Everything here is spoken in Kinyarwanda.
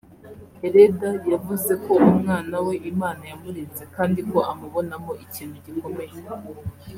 Eleda yavuze ko umwana we Imana yamurinze kandi ko amubonamo ikintu gikomeye